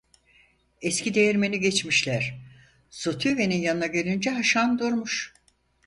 Eski değirmeni geçmişler, Sutüven'in yanına gelince Haşan durmuş.